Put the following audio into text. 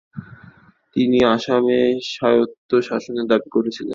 তিনি আসামে স্বায়ত্ব শাসনের দাবী করেছিলেন।